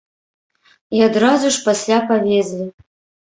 І адразу ж пасля павезлі.